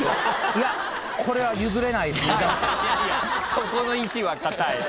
そこの意志は固い。